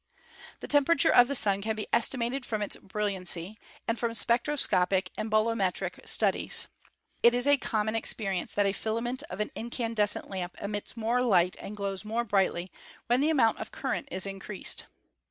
The temperature of the Sun can be estimated from its brilliancy and from spectroscopic and bolometric studies. It is a common experience that a filament of an incan descent lamp emits more light and glows more brightly when the amount of current is increased.